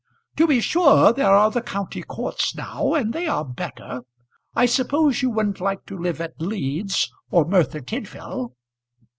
"To be sure there are the county courts now, and they are better. I suppose you wouldn't like to live at Leeds or Merthyr Tydvil?"